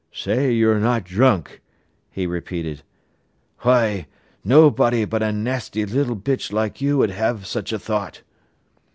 "'Say you're not drunk,'" he repeated. "Why, nobody but a nasty little bitch like you 'ud 'ave such a thought."